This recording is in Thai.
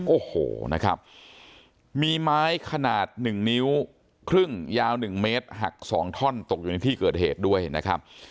โอ้โหนะครับมีไม้ขนาด๑นิ้วครึ่งยาว๑เมตรหัก๒ท่อนตกอยู่ในที่เกิดเหตุด้วยนะครับ